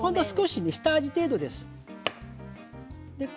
下味程度です。